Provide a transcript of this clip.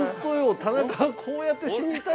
田中は、こうやって死にたい。